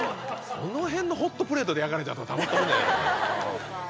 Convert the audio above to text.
その辺のホットプレートで焼かれちゃったらたまったもんじゃないからね。